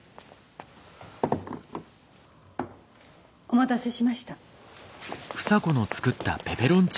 お待たせしました。